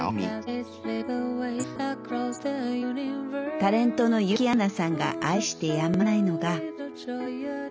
タレントの結城アンナさんが愛してやまないのが。